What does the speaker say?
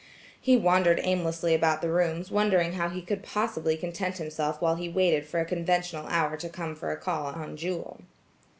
He wandered aimlessly about the rooms wondering how he could possibly content himself while he waited for a conventional hour to come for a call on Jewel.